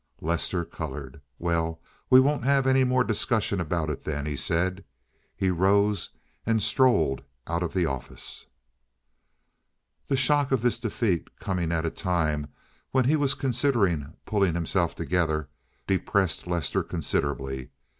Lester colored. "Well, we won't have any more discussion about it then," he said. He rose and strolled out of the office. The shock of this defeat, coming at a time when he was considering pulling himself together, depressed Lester considerably.